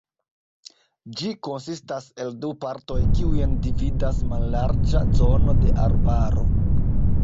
Ĝi konsistas el du partoj kiujn dividas mallarĝa zono de arbaro.